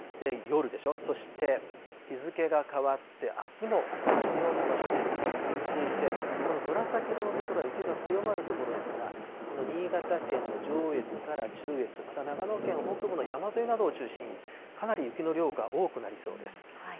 夜でしょ、そして、日付が変わってあすも同じような場所で雪が降り続いて、この紫色の所、雪が強まる所ですが、この新潟県の上越から中越、また長野県北部の山沿いなどを中心に、かなり雪の量が多くなりそうです。